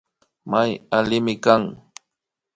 May allimi kan